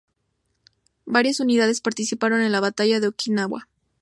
Varias unidades participaron en la Batalla de Okinawa.